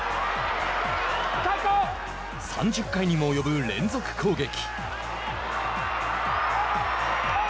３０回にも及ぶ連続攻撃。